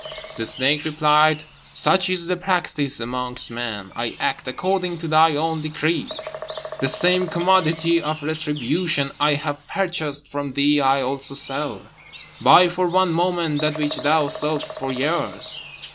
The snake replied, "Such is the practice amongst men. I act according to thy own decree; the same commodity of retribution I have purchased from thee I also sell. Buy for one moment that which thou sell'st for years."